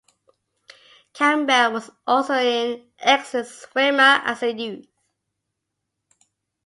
Campbell was also an excellent swimmer as a youth.